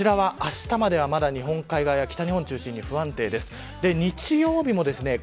こちらは、あしたまではまだ日本海側や北日本を中心に不安定です。